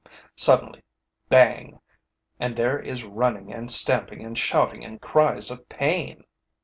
Suddenly, bang! And there is running and stamping and shouting and cries of pain!